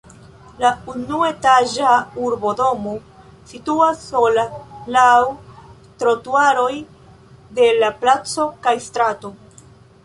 La unuetaĝa urbodomo situas sola laŭ trotuaroj de la placo kaj strato.